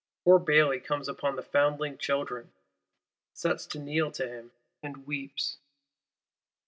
Poor Bailly comes upon the Foundling Children, sent to kneel to him; and "weeps."